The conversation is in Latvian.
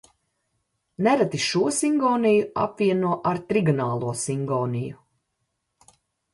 Nereti šo singoniju apvieno ar trigonālo singoniju.